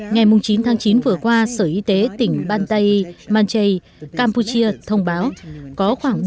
ngày chín tháng chín vừa qua sở y tế tỉnh bantai manchay campuchia thông báo